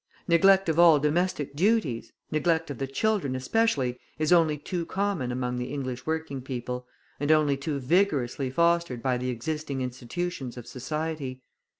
Neglect of all domestic duties, neglect of the children, especially, is only too common among the English working people, and only too vigorously fostered by the existing institutions of society.